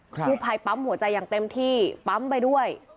กู้ภัยปั๊มหัวใจอย่างเต็มที่ปั๊มไปด้วย